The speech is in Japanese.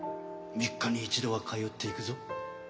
３日に一度は通っていくぞ。